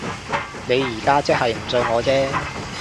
你而家即係唔信我啫